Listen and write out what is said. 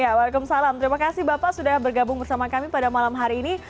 waalaikumsalam terima kasih bapak sudah bergabung bersama kami pada malam hari ini